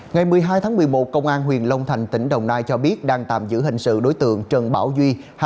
ngày một mươi hai tháng một mươi một công an huyện long thành tỉnh đồng nai cho biết đang tạm giữ hình sự đối tượng trần bảo duy